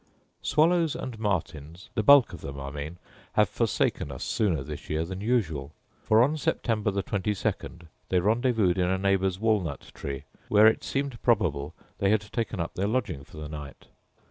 Swallows and martins, the bulk of them, I mean, have forsaken us sooner this year than usual; for, on September the twenty second, they rendezvoused in a neighbour's walnut tree, where it seemed probable they had taken up their lodging for the night.